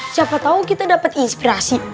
siapa tahu kita dapat inspirasi